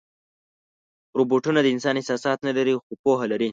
روبوټونه د انسان احساسات نه لري، خو پوهه لري.